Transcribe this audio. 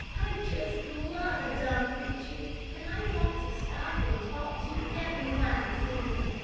I just love a dumb creature, and I want to stop and talk to every one I see.